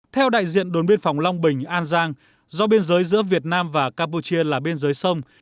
theo đại diện đồn biên phòng long bình an giang do biên giới giữa việt nam và campuchia là biên giới sông